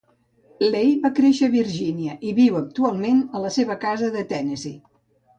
Lei va créixer a Virgínia, i viu actualment a la seva casa a Tennessi.